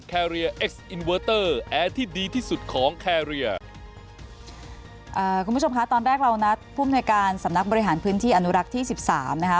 คุณผู้ชมคะตอนแรกเรานัดภูมิหน่วยการสำนักบริหารพื้นที่อนุรักษ์ที่สิบสามนะคะ